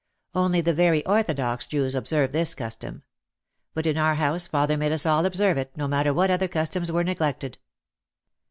Only the very orthodox Jews observe this custom. But in our house father made us all observe it, no matter what other customs were neglected.